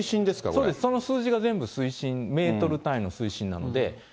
そうです、その数字が全部水深、メートル単位の水深なので。